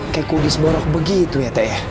kayak kudis borok begitu ya teh